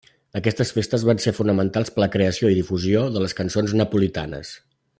Aquestes festes van ser fonamentals per a la creació i difusió de les cançons napolitanes.